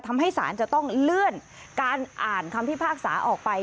ทำให้สารจะต้องเลื่อนการอ่านคำพิพากษาออกไป